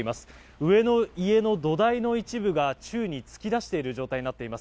上の家の土台の一部が宙に突き出している状態になっています。